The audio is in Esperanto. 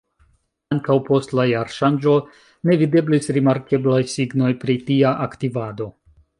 Ankaŭ post la jarŝanĝo ne videblis rimarkeblaj signoj pri tia aktivado.